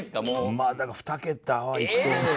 まあだから２桁はいくと思う。